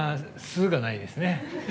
「す」がないですね。